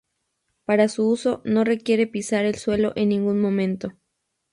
Para su uso no requiere pisar el suelo en ningún momento.